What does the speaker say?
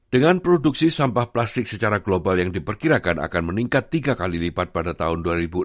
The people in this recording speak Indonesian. dengan produksi sampah plastik secara global yang diperkirakan akan meningkat tiga kali lipat pada tahun dua ribu enam belas